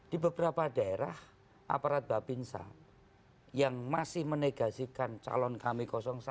di beberapa daerah aparat babinsa yang masih menegasikan calon kami satu